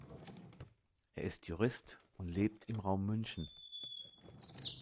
Er ist Jurist und lebt im Raum München.